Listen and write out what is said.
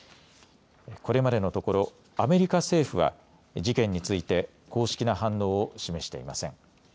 これまでのところアメリカ政府は事件について公式な反応を示していません。